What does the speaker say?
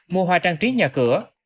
mua hoa trang trí nhà cửa